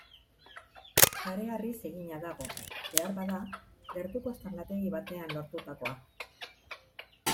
Kareharriz egina dago, beharbada, gertuko aztarnategi batean lortutakoa.